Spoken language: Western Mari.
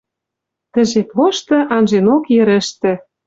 Тӹ жеп лошты анженок йӹрӹштӹ